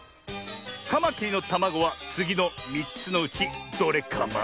カマキリのたまごはつぎの３つのうちどれカマ？